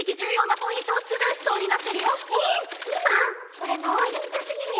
これノーヒントすぎるよ。